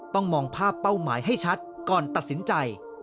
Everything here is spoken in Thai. มองภาพเป้าหมายให้ชัดก่อนตัดสินใจ